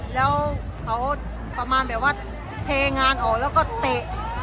แล้วเขาประมาณแบบว่าเทงานออกแล้วก็เตะ